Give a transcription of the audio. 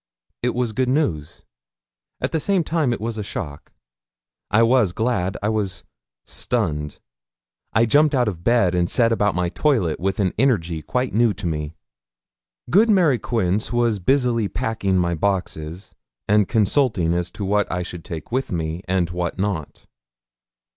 It was good news; at the same time it was a shock. I was glad. I was stunned. I jumped out of bed, and set about my toilet with an energy quite new to me. Good Mary Quince was busily packing my boxes, and consulting as to what I should take with me, and what not.